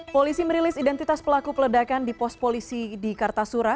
polisi merilis identitas pelaku peledakan di pos polisi di kartasura